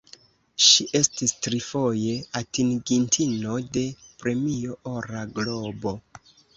Ŝi estis trifoje atingintino de Premio Ora Globo.